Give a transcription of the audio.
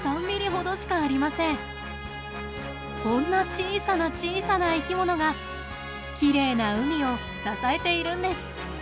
こんな小さな小さな生き物がきれいな海を支えているんです。